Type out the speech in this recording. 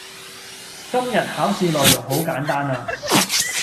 今日考試內容好簡單呀